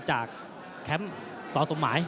แคมป์สสมหมาย